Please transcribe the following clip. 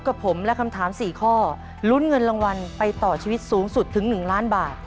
เกมต่อชีวิตสูงสุดถึง๑ล้านบาท